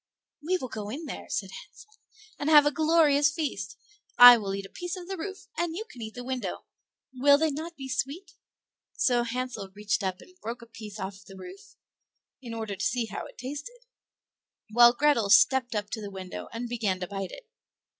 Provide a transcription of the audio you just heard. "We will go in there," said Hansel, "and have a glorious feast. I will eat a piece of the roof, and you can eat the window. Will they not be sweet?" So Hansel reached up and broke a piece off the roof, in order to see how it tasted; while Grethel stepped up to the window and began to bite it.